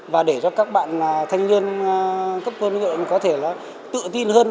và để cho các bạn thanh niên cấp quận luyện có thể là tự tin hơn